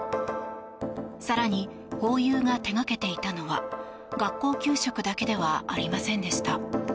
更にホーユーが手掛けていたのは学校給食だけではありませんでした。